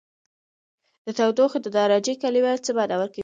د تودوخې د درجې کلمه څه معنا ورکوي؟